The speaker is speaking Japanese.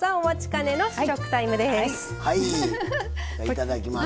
いただきます。